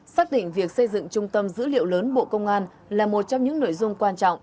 xác định việc xây dựng trung tâm dữ liệu lớn bộ công an là một trong những nội dung quan trọng